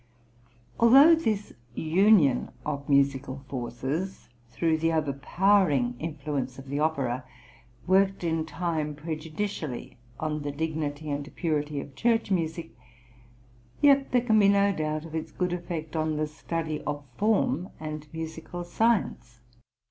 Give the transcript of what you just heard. Although this union of musical forces, through the overpowering influence of the opera, worked in time prejudicially on the dignity and purity of church music, yet there can be no doubt of its good effect on the study of form and musical science.